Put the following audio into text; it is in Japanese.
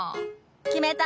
決めた！